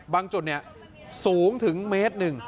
บางจุดสูงถึงเมตรหนึ่ง